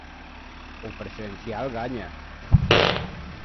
O presencial gaña.